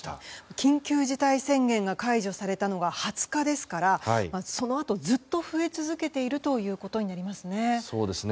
緊急事態宣言が解除されたのが２０日ですからそのあと、ずっと増え続けているということになりますね。